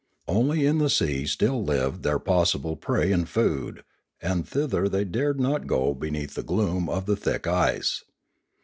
Only in the sea still lived their possible prey and food, and thither they dared not go beneath the gloom of the thick ice.